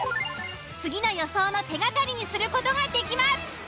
次の予想の手がかりにする事ができます。